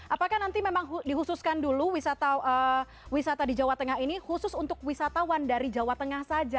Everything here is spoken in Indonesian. apakah nanti memang dihususkan dulu wisata di jawa tengah ini khusus untuk wisatawan dari jawa tengah saja